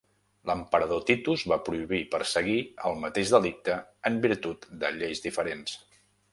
L'emperador Titus va prohibir perseguir el mateix delicte en virtut de lleis diferents.